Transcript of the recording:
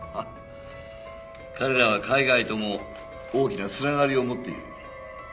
彼らは海外とも大きな繋がりを持っている。